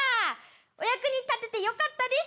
お役に立ててよかったです。